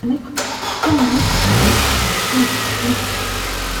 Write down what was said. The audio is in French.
Comme l’année précédente un système de primes est prévu.